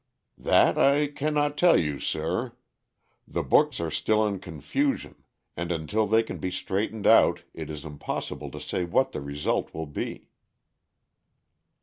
"That I cannot tell you, sir. The books are still in confusion, and until they can be straightened out it is impossible to say what the result will be."